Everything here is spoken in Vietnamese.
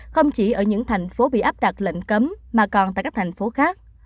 không chỉ ở những thành phố bị áp đặt lệnh cấm mà còn tại các thành phố khác